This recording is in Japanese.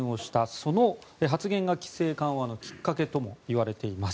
その発言が規制緩和のきっかけともいわれています。